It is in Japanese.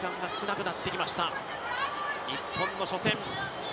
日本の初戦。